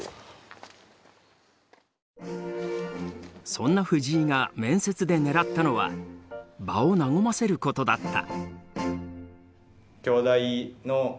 そんな藤井が面接で狙ったのは場を和ませることだった。